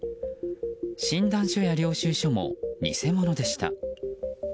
診断書や領収書も偽物でした。